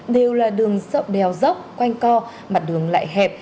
đều là đường sậm đèo dốc quanh co mặt đường lại hẹp